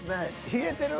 冷えてる。